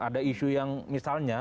ada isu yang misalnya